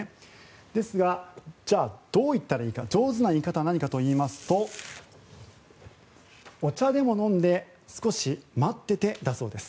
ですがじゃあ、どう言ったらいいか上手な言い方は何かといいますとお茶でも飲んで少し待っててだそうです。